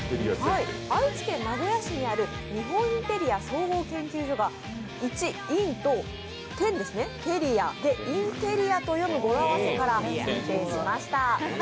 愛知県名古屋市にある日本インテリア総合研究所が１と１０でインテリアと詠む語呂合わせから選定しました。